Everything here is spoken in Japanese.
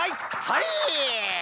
はい！